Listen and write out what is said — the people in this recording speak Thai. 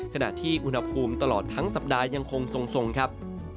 ขณะที่อุณหภูมิตลอดทั้งสัปดาห์ยังคงทรงครับ